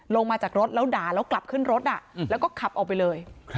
ลงมาจากรถแล้วด่าแล้วกลับขึ้นรถแล้วก็ขับออกไปเลย